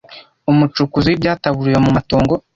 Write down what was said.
umucukuzi w'ibyataburuwe mu matongo